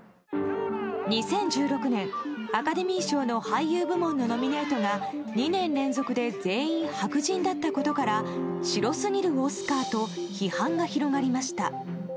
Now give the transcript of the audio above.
２０１６年、アカデミー賞の俳優部門のノミネートが２年連続で全員白人だったことから白すぎるオスカーと批判が広がりました。